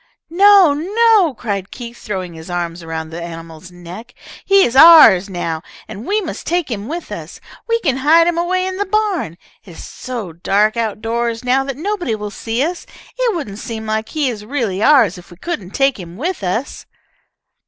"No! No!" cried Keith, throwing his arms around the animal's neck. "He is ours now, and we must take him with us. We can hide him away in the barn. It is so dark out doors now that nobody will see us. It wouldn't seem like he is really ours if we couldn't take him with us."